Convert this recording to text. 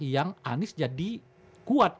yang anis jadi kuat